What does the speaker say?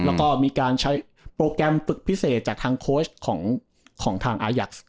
แล้วก็มีการใช้โปรแกรมฝึกพิเศษจากทางโค้ชของทางอายักษ์